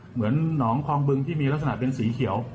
เหมือนหนองคลองบึงที่มีลักษณะเป็นสีเขียว